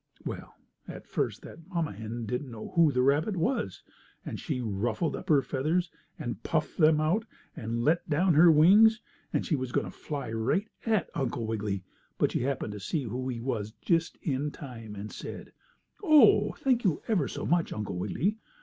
Well, at first, that mamma hen didn't know who the rabbit was, and she ruffled up her feathers, and puffed them out, and let down her wings, and she was going to fly right at Uncle Wiggily, but she happened to see who he was just in time and she said: "Oh, thank you ever so much, Uncle Wiggily.